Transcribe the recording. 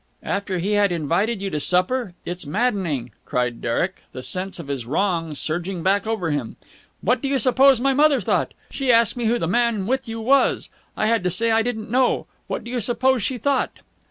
"After he had invited you to supper! It's maddening!" cried Derek, the sense of his wrongs surging back over him. "What do you suppose my mother thought? She asked me who the man with you was. I had to say I didn't know! What do you suppose she thought?"